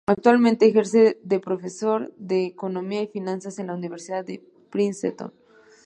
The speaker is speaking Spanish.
Actualmente ejerce de Profesor de Economía y Finanzas en la Universidad de Princeton.